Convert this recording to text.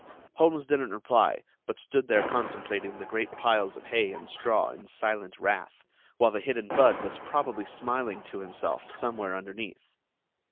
Holmes didn't reply, but stood there contemplating the great piles of hay and straw in silent wrath, while the hidden Budd was probably smiling to himself somewhere underneath.